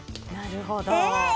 なるほど。